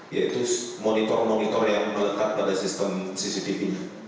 yaitu monitor monitor yang melekat pada sistem cctv